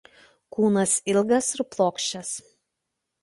Kūnas ilgas ir plokščias.